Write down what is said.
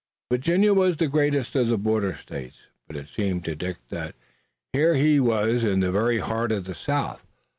Virginia was the greatest of the border states, but it seemed to Dick that here he was in the very heart of the South.